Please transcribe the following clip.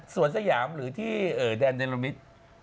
สวรรค์สยามหรือที่ด่านด่านละมิท